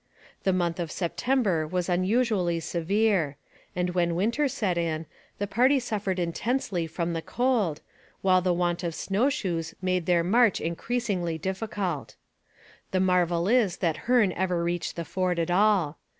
The month of September was unusually severe, and when the winter set in, the party suffered intensely from the cold, while the want of snow shoes made their march increasingly difficult. The marvel is that Hearne ever reached the fort at all.